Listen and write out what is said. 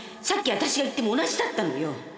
さっき私が言っても同じだったのよ！